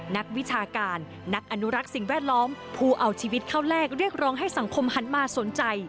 นักวิชาการนักอนุรักษ์สิ่งแวดล้อมผู้เอาชีวิตเข้าแลกเรียกร้องให้สังคมหันมาสนใจ